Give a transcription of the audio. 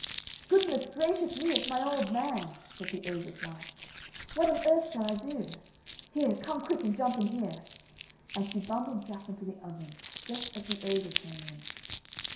"Goodness gracious me! It's my old man," said the ogre's wife, "what on earth shall I do? Here, come quick and jump in here." And she bundled Jack into the oven just as the ogre came in.